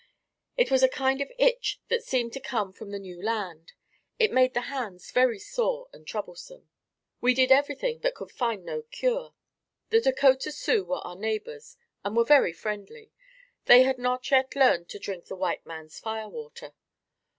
It was a kind of itch that seemed to come from the new land. It made the hands very sore and troublesome. We did everything but could find no cure. The Dakota Sioux were our neighbors and were very friendly. They had not yet learned to drink the white man's firewater.